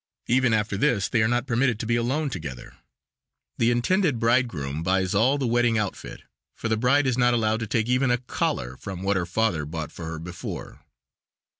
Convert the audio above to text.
Even after this they are not permitted to be alone together; the intended bridegroom buys all the wedding outfit, for the bride is not allowed to take even a collar from what her father bought for her before.